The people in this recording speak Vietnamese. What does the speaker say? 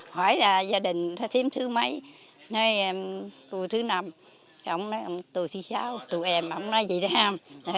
hỏi gia đình thím thứ mấy nói tôi thứ năm ông nói tôi thứ sáu tôi em ông nói vậy đó